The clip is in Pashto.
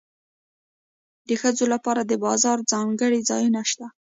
د ښځو لپاره د بازار ځانګړي ځایونه شته